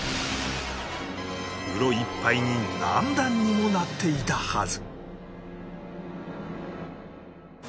うろいっぱいに何段にもなっていたはず